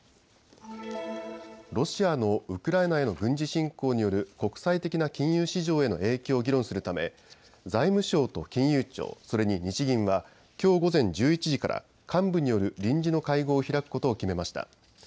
ロシアのウクライナへの軍事侵攻による国際的な金融市場への影響を議論するため財務省と金融庁、それに日銀はきょう午前１１時から幹部による臨時の会合を開くことを決めました。